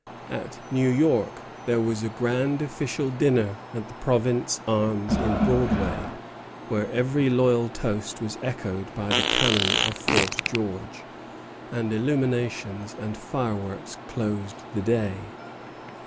At New York there was a grand official dinner at the Province Arms in Broadway, where every loyal toast was echoed by the cannon of Fort George; and illuminations and fireworks closed the day.